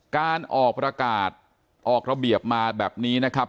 การออกประกาศออกระเบียบมาแบบนี้นะครับ